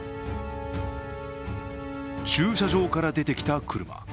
駐車場から出てきた車。